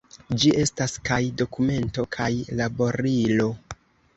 Ĝi estas kaj dokumento kaj laborilo.